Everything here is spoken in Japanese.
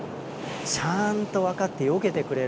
ちゃんと分かってよけてくれるんですよね。